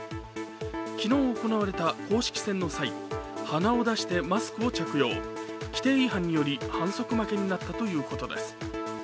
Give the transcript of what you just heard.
昨日行われた公式戦の際、鼻を出してマスクを着用規定違反により反則負けになったということです。